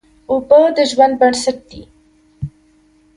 اوبه د ژوند بنسټ دي.